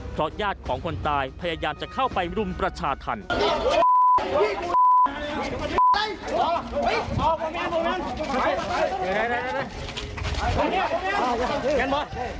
เพราะญาติของคนตายพยายามจะเข้าไปรุมประชาธรรม